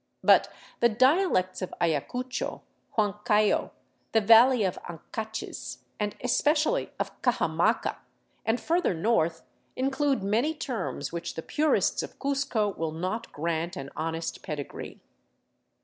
But the dia lects of Ayacucho, Huancayo, the valley of Ancachs, and especially of Cajamaca and further north, include many terms which the purists of Cuzco will not grant an honest pedigree.